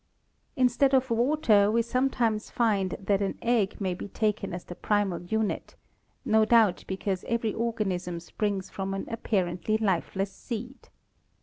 Instead of water we sometimes find that an egg may be taken as the primal unit, no doubt because every organism springs from an apparently lifeless seed.